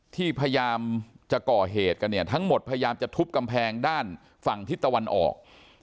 ที่พยายามจะก่อเหตุกันเนี่ยทั้งหมดพยายามจะทุบกำแพงด้านฝั่งทิศตะวันออก